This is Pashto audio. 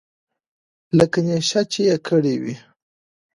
لکه نېشه چې يې کړې وي.